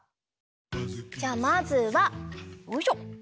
じゃあまずはよいしょ。